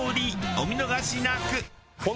お見逃しなく！